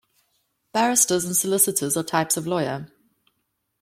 Barristers and solicitors are types of lawyer